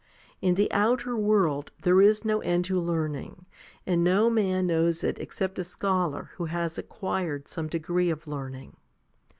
In the outer world, there is no end to learning, and no man knows it except a scholar who has acquired some degree of learning.